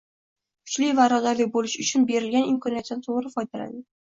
Kuchli va irodali bo‘lish uchun berilgan imkoniyatdan to‘g‘ri foydalaning.